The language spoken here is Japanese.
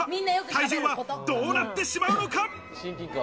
体重はどうなってしまうのか？